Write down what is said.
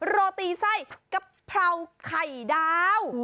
โรตีไส้กะเพราไข่ดาว